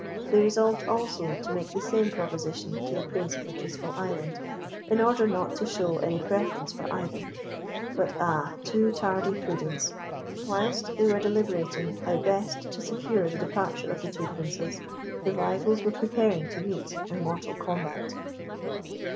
They resolved also to make the same proposition to the Prince of the Peaceful Island, in order not to show any preference for either; but ah! too tardy prudence! whilst they were deliberating how best to secure the departure of the two Princes, the rivals were preparing to meet in mortal combat.